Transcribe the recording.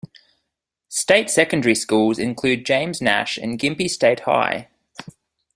State secondary schools include James Nash and Gympie State High.